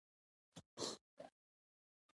که پانګوال هم په خپله کار ونه کړي